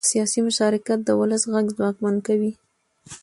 سیاسي مشارکت د ولس غږ ځواکمن کوي